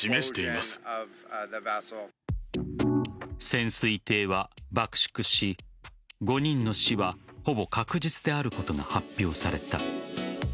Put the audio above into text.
潜水艇は爆縮し５人の死はほぼ確実であることが発表された。